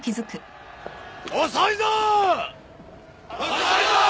遅いぞー！